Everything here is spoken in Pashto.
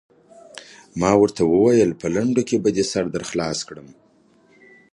ما ورته وویل: په لنډو کې به دې سر در خلاص کړم.